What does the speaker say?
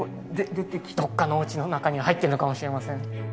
どっかのおうちの中に入っているのかもしれません。